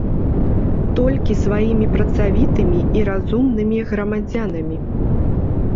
Толькі сваімі працавітымі і разумнымі грамадзянамі.